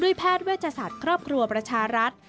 ด้วยแพทย์วัยจสัตว์ครอบครัวประชารัฐ